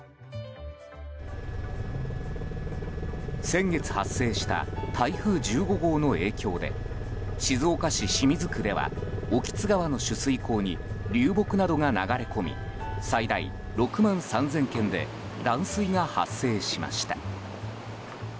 先月発生した台風１５号の影響で静岡市清水区では興津川の取水口に流木などが流れ込み最大６万３０００軒で断水が発生しました。